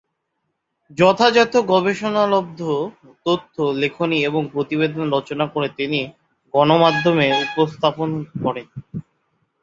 যথাযথ গবেষণালব্ধ তথ্য, লেখনী এবং প্রতিবেদন রচনা করে তিনি গণমাধ্যমে উপস্থাপন করেন।